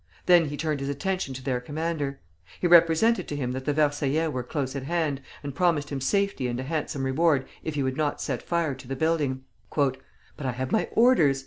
Then he turned his attention to their commander. He represented to him that the Versaillais were close at hand, and promised him safety and a handsome reward if he would not set fire to the building. "But I have my orders!"